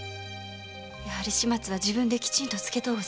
やはり始末は自分できちんとつけとうございます。